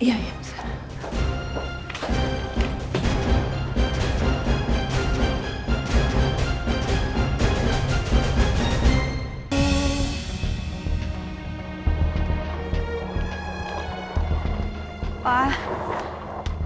ya ya pak